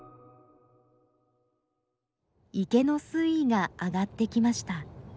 池の水位が上がってきました。